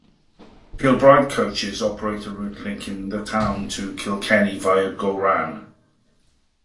Kilbride Coaches operate a route linking the town to Kilkenny via Gowran.